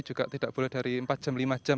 juga tidak boleh dari empat jam lima jam